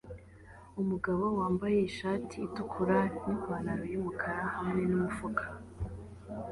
Umugabo wambaye ishati itukura nipantaro yumukara hamwe numufuka